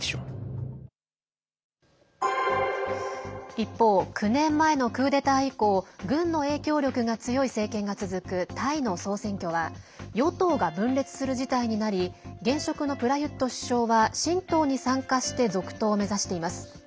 一方、９年前のクーデター以降軍の影響力が強い政権が続くタイの総選挙は与党が分裂する事態になり現職のプラユット首相は新党に参加して続投を目指しています。